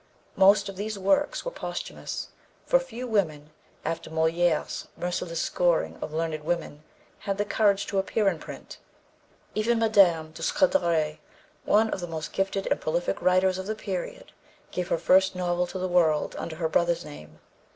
Most of these works were posthumous; for few women, after Molière's merciless scoring of learned women, had the courage to appear in print. Even Mme. de Scudéry, one of the most gifted and prolific writers of the period, gave her first novel to the world under her brother's name.